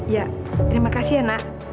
ya terima kasih ya nak